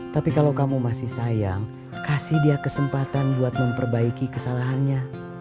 tapi kalau kamu masih sayang kasih dia kesempatan buat memperbaiki kesalahannya